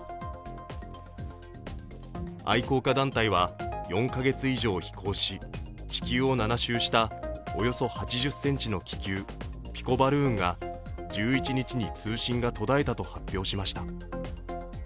愛好家団体は、４か月以上飛行し、地球を７周したおよそ８０ｃｍの気球ピコバルーンが１１日に通信が途絶えたと発表しました。